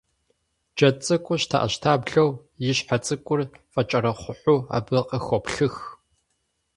Джэд цӀыкӀур щтэӀэщтаблэу, и щхьэ цӀыкӀур фӀэкӀэрэхъухьу абы къыхоплъых.